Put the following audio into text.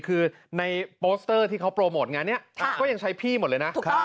คือในโปสเตอร์ที่เขาโปรโมทงานนี้ก็ยังใช้พี่หมดเลยนะ